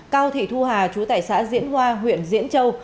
cao thị thu hà chú tại xã diễn hoa huyện diễn châu